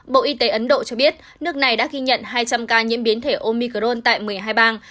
bộ y tế ấn độ cho biết nước này đã ghi nhận hai trăm linh ca nhiễm biến thể omicron tại một mươi hai bang